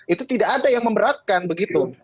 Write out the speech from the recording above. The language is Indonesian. itu tidak ada yang memberatkan begitu